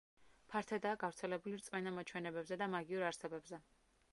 ფართედაა გავრცელებული რწმენა მოჩვენებებზე და მაგიურ არსებებზე.